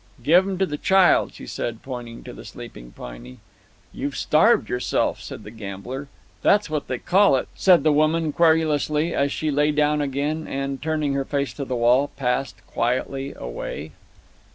"Give 'em to the child," she said, pointing to the sleeping Piney. "You've starved yourself," said the gambler. "That's what they call it," said the woman, querulously, as she lay down again and, turning her face to the wall, passed quietly away.